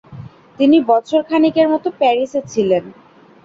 তিনি বছরখানেকের মত প্যারিসে ছিলেন।